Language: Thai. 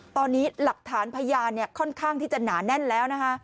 ตอนนี้หลักฐานพยานค่อนข้างที่จะหนาแน่นแล้วนะคะ